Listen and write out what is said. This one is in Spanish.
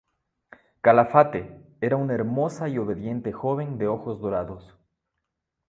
Calafate, era una hermosa y obediente joven de ojos dorados.